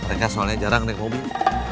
mereka soalnya jarang naik mobil